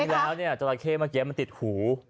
จริงแล้วเนี่ยจราเข้เมื่อกี้มันติดหู